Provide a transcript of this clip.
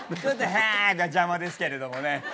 ちょっと「はぁ」が邪魔ですけれどもね。